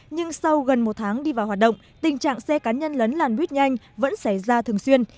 nhưng sau gần một tháng đi vào hoạt động tình trạng xe cá nhân lấn làn buýt nhanh vẫn xảy ra thường xuyên